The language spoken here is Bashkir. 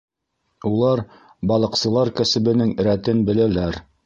Улар балыҡсылар кәсебенең рәтен беләләр.